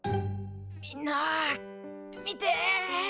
みんな見て。